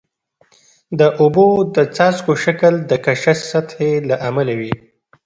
د اوبو د څاڅکو شکل د کشش سطحي له امله وي.